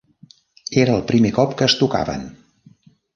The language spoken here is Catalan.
Era el primer cop que es tocaven.